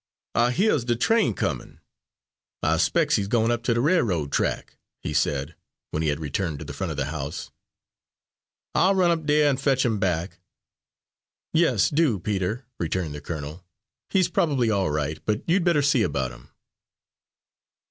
"I hyuhs de train comin'; I 'spec's he's gone up ter de railroad track," he said, when he had returned to the front of the house. "I'll run up dere an' fetch 'im back." "Yes, do, Peter," returned the colonel. "He's probably all right, but you'd better see about him."